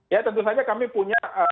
ya tentu saja kami punya